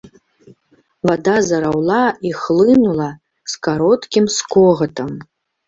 Вада зараўла і хлынула з кароткім скогатам.